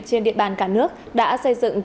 trên địa bàn cả nước đã xây dựng